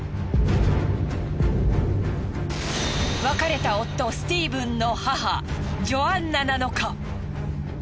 別れた夫スティーブンの母ジョアンナなのか？